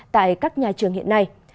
tại các nhà trường hiện nay